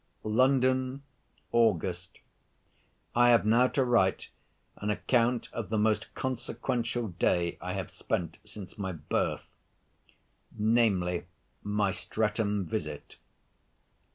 LONDON, AUGUST. I have now to write an account of the most consequential day I have spent since my birth; namely, my Streatham visit.